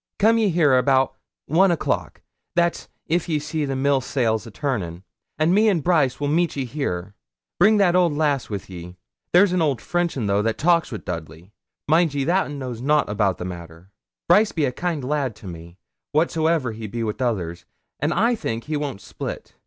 Coom ye here about one o'clock that's if ye see the mill sails a turnin' and me and Brice will meet ye here. Bring that old lass wi' ye. There's an old French un, though, that talks wi' Dudley. Mind ye, that un knows nout o' the matter. Brice be a kind lad to me, whatsoe'er he be wi' others, and I think he won't split.